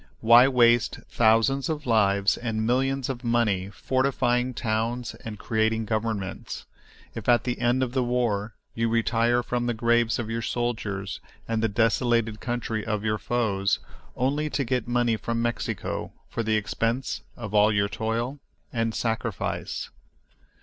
Why waste thousands of lives and millions of money fortifying towns and creating governments, if, at the end of the war, you retire from the graves of your soldiers and the desolated country of your foes, only to get money from Mexico for the expense of all your toil and sacrifice?